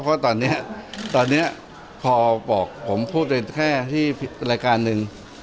เพราะตอนนี้ตอนนี้พอบอกผมพูดไปแค่ที่รายการหนึ่ง